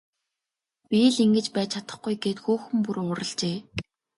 Би л ингэж байж чадахгүй гээд хүүхэн бүр уурлажээ.